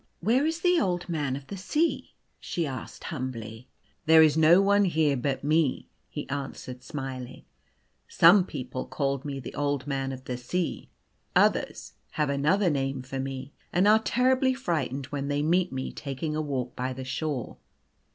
" Where is the Old Man of the Sea ?" she asked, humbly. "There is no one here but me," he answered, smiling. " Some people call me the Old Man of the Sea. Others have another name for me, and are terribly frightened when they meet me taking a walk by the shore.